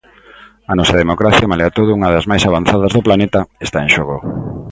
A nosa democracia –malia todo, unha das máis avanzadas do planeta– está en xogo.